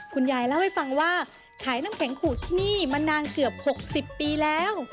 คุณยายเล่าให้ฟังว่าขายน้ำแข็งขูดที่นี่มานานเกือบ๖๐ปีแล้ว